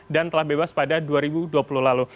dan telah bebas pada dua ribu dua puluh lalu